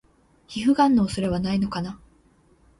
皮膚ガンの恐れはないのかな？